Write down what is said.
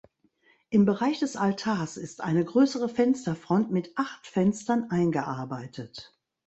Im Bereich des Altars ist eine größere Fensterfront mit acht Fenstern eingearbeitet.